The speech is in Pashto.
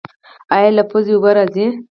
ایا له پوزې اوبه راځي؟